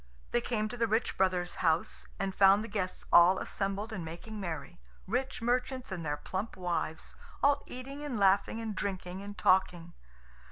They came to the rich brother's house, and found the guests all assembled and making merry; rich merchants and their plump wives, all eating and laughing and drinking and talking.